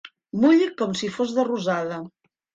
Mulli com si fos de rosada.